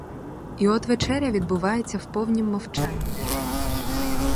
І от вечеря відбувається в повнім мовчанні.